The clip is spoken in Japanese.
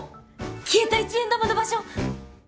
消えた一円玉の場所。